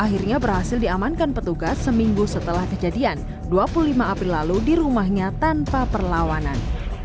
akhirnya berhasil diamankan petugas seminggu setelah kejadian dua puluh lima april lalu di rumahnya tanpa perlawanan